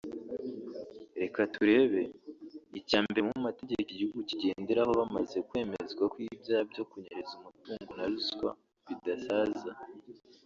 reka turebe…Icya mbere mu mategeko igihugu kigenderaho bamaze kwemezwa ko ibyaha byo kunyereza umutungo na ruswa bidasaza